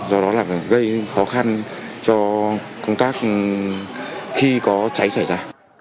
do đó là gây khó khăn cho công tác khi có cháy xảy ra